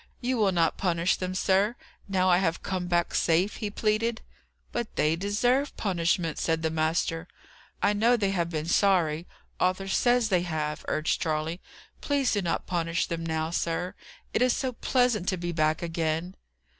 "You will not punish them, sir, now I have come back safe?" he pleaded. "But they deserve punishment," said the master. "I know they have been sorry; Arthur says they have," urged Charley. "Please do not punish them now, sir; it is so pleasant to be back again!"